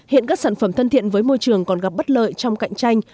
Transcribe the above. hiện các sản phẩm thân thiện với môi trường còn gặp bất lợi trong cạnh tranh